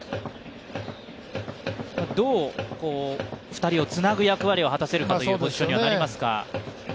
どう二人をつなぐ役割を果たせるかというポジションになりますが。